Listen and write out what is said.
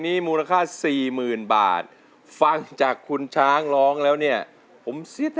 อีกครึ่งยังรอพึ่งเธอ